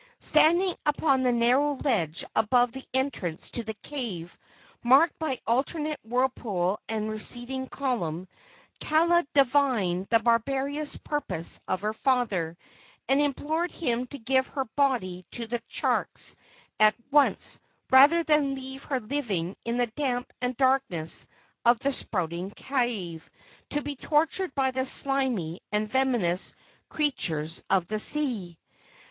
Standing upon the narrow ledge above the entrance to the cave, marked by alternate whirlpool and receding column, Kaala divined the barbarous purpose of her father, and implored him to give her body to the sharks at once rather than leave her living in the damp and darkness of the Spouting Cave, to be tortured by the slimy and venomous creatures of the sea.